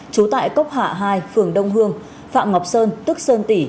chú tại cốc hạ hai phường đông hương phạm ngọc sơn tức sơn tỉ